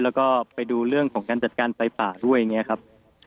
แล้วก็ไปดูเรื่องของการจัดการไฟป่าด้วยอย่างนี้ครับ